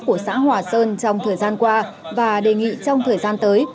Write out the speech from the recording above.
của xã hòa sơn trong thời gian qua và đề nghị trong thời gian tới